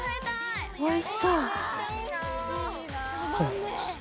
おいしそう。